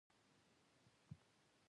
کب نیول د نیوفونډلینډ اقتصاد و.